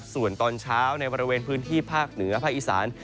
ส่วนตอนเช้าในบริเวณพื้นที่ภาคเหนือภาคอีสาน